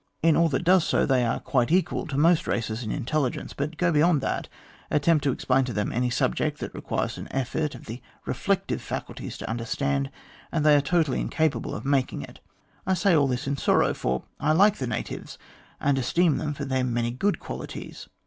In all that does so they are quite equal to most races in intelligence, but go beyond that, attempt to explain to them any subject that requires an effort of the reflective faculties to understand, and they are totally incapable of making it. I say all this in sorrow, for I like the natives, and esteem them for their many good qualities.